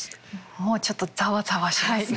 もうちょっとザワザワしますね。